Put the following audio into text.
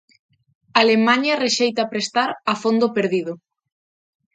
Alemaña rexeita prestar a fondo perdido.